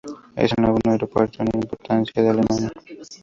Es el noveno aeropuerto en importancia de Alemania.